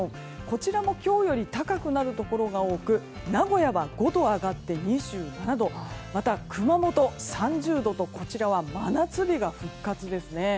こちらも今日より高くなるところが多く名古屋は５度上がって２７度また、熊本、３０度とこちらは真夏日が復活ですね。